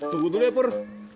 tunggu dulu ya pur